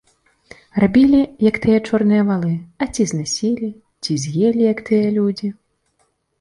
Рабілі, як тыя чорныя валы, а ці знасілі, ці з'елі, як тыя людзі.